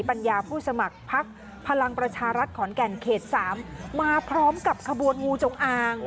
ผู้สมัครพักพลังประชารัฐขอนแก่นเขต๓มาพร้อมกับขบวนงูจงอาง